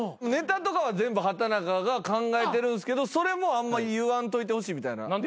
ネタとかは全部畠中が考えてるんすけどそれもあんま言わんといてほしいみたいな。